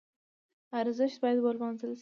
ارزښت باید ولمانځل شي.